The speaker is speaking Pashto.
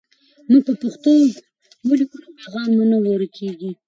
موږ په پښتو ولیکو نو پیغام مو نه ورکېږي.